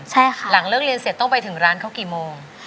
ใช่ค่ะหลังเลิกเรียนเสร็จต้องไปถึงร้านเขากี่โมง